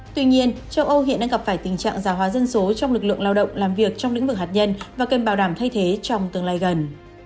tuy nhiên châu âu hiện đang gặp phải tình trạng giả hóa dân số trong lực lượng lao động làm việc trong lĩnh vực hạt nhân và cần bảo đảm thay thế trong tương lai gần